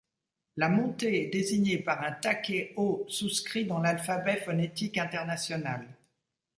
La montée est désignée par un taquet haut souscrit dans l'alphabet phonétique international.